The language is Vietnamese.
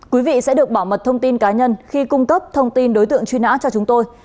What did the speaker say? quý vị sẽ được bảo mật thông tin cá nhân khi cung cấp thông tin đối tượng truy nã cho chúng tôi